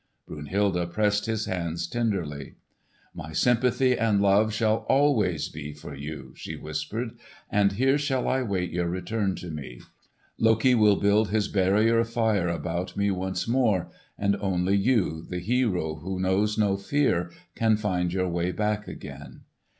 Brunhilde pressed his hands tenderly. "My sympathy and love shall always be for you!" she whispered; "and here shall I wait your return to me. Loki will build his barrier of fire about me once more, and only you, the hero who knows no fear, can find your way back again.